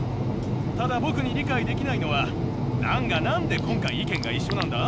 ただ僕に理解できないのはダンが何で今回意見が一緒なんだ？